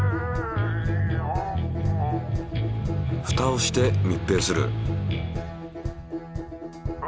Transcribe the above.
ふたをして密閉する。